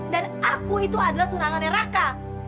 dan aku itu adalah tunangannya raka